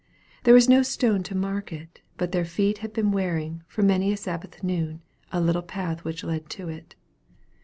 There was no stone to mark it, but their feet had been wearing, for many a Sabbath noon, the little path which led to it.